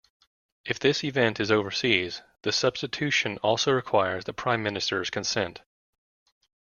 If this event is overseas, the substitution also requires the Prime Minister's consent.